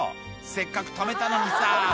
「せっかく止めたのにさ」